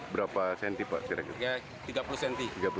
berapa cm pak